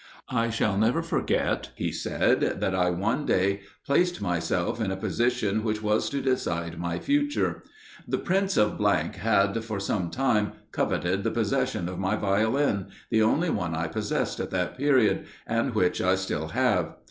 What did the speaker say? "I shall never forget," he said, "that I one day, placed myself in a position which was to decide my future. The Prince of had, for some time, coveted the possession of my Violin the only one I possessed at that period, and which I still have.